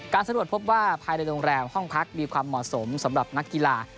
สำรวจพบว่าภายในโรงแรมห้องพักมีความเหมาะสมสำหรับนักกีฬา